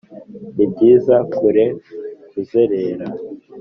nibyiza kure kuzerera,